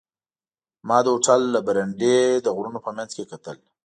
ما د هوټل له برنډې د غرونو په منځ کې کتل.